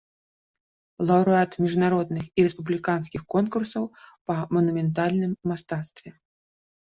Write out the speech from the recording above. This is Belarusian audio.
Лаўрэат міжнародных і рэспубліканскіх конкурсаў па манументальным мастацтве.